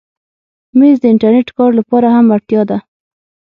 مېز د انټرنېټ کار لپاره هم اړتیا ده.